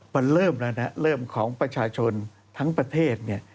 มันเริ่มแล้วนะเริ่มของประชาชนทั้งประเทศเนี่ย